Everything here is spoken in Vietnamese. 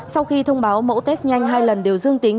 sau khi thông báo mẫu test nhanh hai lần đều dương tính